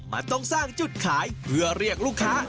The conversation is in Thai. มันต้องสร้างจุดขายเพื่อเรียกลูกค้า